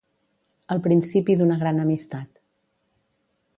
El principi d'una gran amistat.